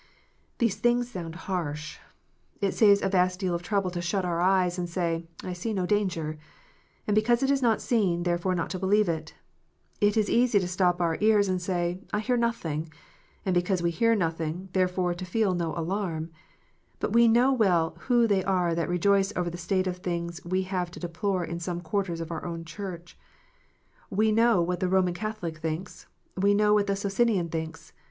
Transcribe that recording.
These things sound harsh. It saves a vast deal of trouble to shut our eyes, and say, " I see no danger," and because it is not seen, therefore not to believe it. It is easy to stop our ears and say, "I hear nothing," and because we hear nothing, therefore to feel no alarm. But we know well who they are that rejoice over the state of tilings we have to deplore in some quarters of our own Church. We know what the Roman Catholic thinks ; we know what the Socinian thinks.